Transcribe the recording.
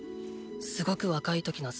すごく若い時の姿。